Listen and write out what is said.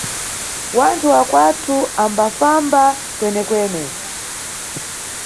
Wanthu wa kwanthu ambafamba kwenekwene.